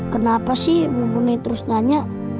kenapa sih ibu bunyi terus nanya